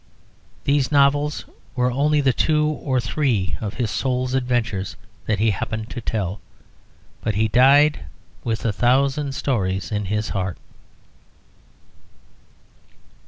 These novels were only the two or three of his soul's adventures that he happened to tell. But he died with a thousand stories in his heart.